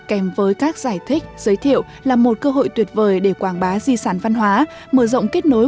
kèm với các giải thích giới thiệu là một cơ hội tuyệt vời để quảng bá di sản văn hóa mở rộng kết nối